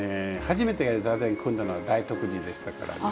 初めて座禅組んだのは大徳寺でしたからね。